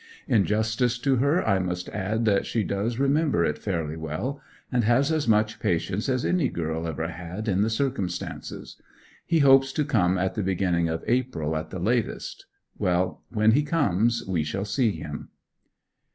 In justice to her I must add that she does remember it fairly well, and has as much patience as any girl ever had in the circumstances. He hopes to come at the beginning of April at latest. Well, when he comes we shall see him.